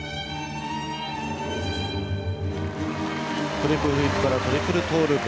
トリプルフリップからトリプルトウループ。